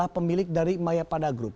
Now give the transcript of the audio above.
pemilik dari mayapada group